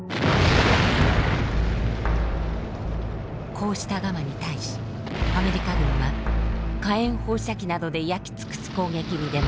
こうしたガマに対しアメリカ軍は火炎放射器などで焼き尽くす攻撃に出ます。